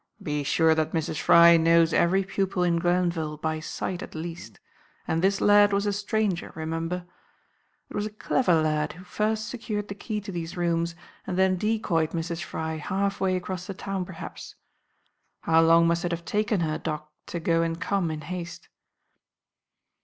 "Be sure that Mrs. Fry knows every pupil in Glenville, by sight, at least; and this lad was a stranger, remember. It was a clever lad who first secured the key to these rooms and then decoyed Mrs. Fry half way across the town perhaps. How long must it have taken her, Doc, to go and come, in haste?"